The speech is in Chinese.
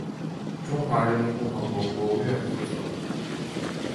中华人民共和国国务院负责。